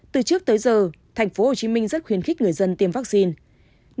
từ trước tới giờ tp hcm rất khuyến khích người dân tiêm vaccine